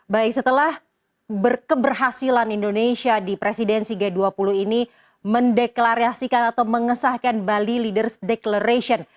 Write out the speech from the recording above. baik setelah berkeberhasilan indonesia di presidensi g dua puluh ini mendeklarasikan atau mengesahkan bali leaders declaration